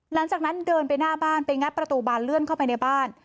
หลังจากนั้นเดินไปหน้าบ้านไปงัดประตูบานเลื่อนเข้าไปในบ้าน